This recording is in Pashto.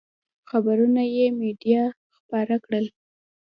خبرونه یې مېډیا خپاره کړل.